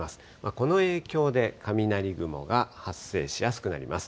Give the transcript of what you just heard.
この影響で雷雲が発生しやすくなります。